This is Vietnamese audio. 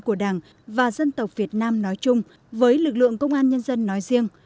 của đảng và dân tộc việt nam nói chung với lực lượng công an nhân dân nói riêng